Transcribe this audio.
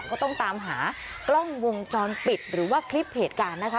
ก็ต้องตามหากล้องวงจรปิดหรือว่าคลิปเหตุการณ์นะคะ